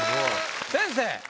先生。